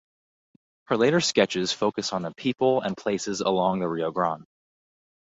Her later sketches focus on the people and places along the Rio Grande.